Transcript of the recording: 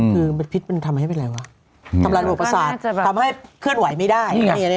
คือพิษมันทำให้เป็นอะไรวะทำลายระบบประสาททำให้เคลื่อนไหวไม่ได้